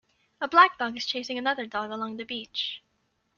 A black dog is chasing another dog along the beach.